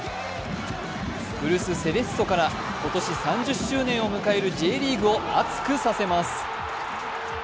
古巣セレッソから今年３０周年を迎えるＪリーグを熱くさせます。